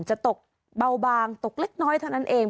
จะตกเบาบางตกเล็กน้อยเท่านั้นเอง